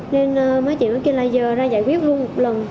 nên mấy chị nó kêu là giờ ra giải quyết luôn một lần